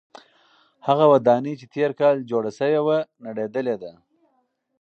هغه ودانۍ چې تېر کال جوړه شوې وه نړېدلې ده.